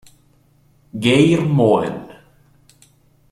Geir Moen